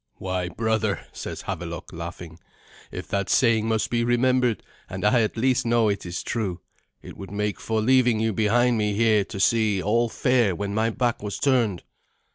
"Why, brother," says Havelok, laughing, "if that saying must be remembered and I at least know it is true it would make for leaving you behind me here to see all fair when my back was turned."